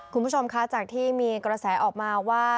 คุณผู้ชมคะจากที่มีกระแสออกมาว่า